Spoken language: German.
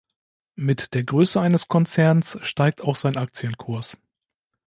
Mit der Größe eines Konzerns steigt auch sein Aktienkurs.